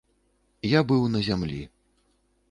Я быў на зямлі.